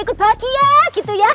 aku bahagia gitu ya